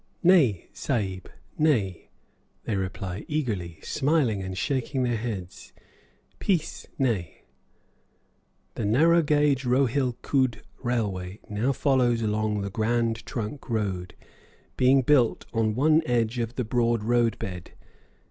"Nay, Sahib, nay," they reply, eagerly, smiling and shaking their heads, "pice, nay." The narrow gauge Rohilcuud Railway now follows along the Grand Trunk road, being built on one edge of the broad road bed.